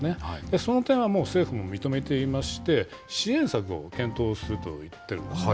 その点はもう政府も認めていまして、支援策を検討するといってるんですね。